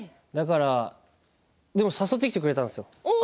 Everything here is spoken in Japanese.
でも誘ってきてくれたんですよ。